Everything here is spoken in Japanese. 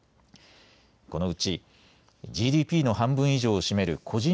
このうちＧＤＰの半分以上を占める個人